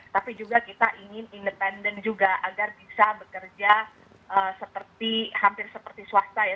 tapi juga kita ingin independen juga agar bisa bekerja seperti hampir seperti swasta ya